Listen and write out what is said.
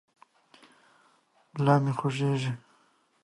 ملا مې خوږېږي.